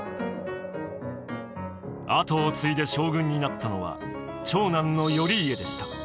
跡を継いで将軍になったのは長男の頼家でした。